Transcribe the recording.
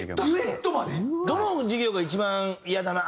どの授業が一番「イヤだな。